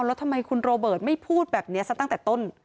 แล้วทำไมคุณโรเบิร์ตไม่พูดแบบนี้ซะตั้งแต่ต้น